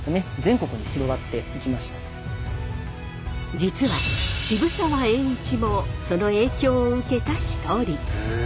実は渋沢栄一もその影響を受けた一人。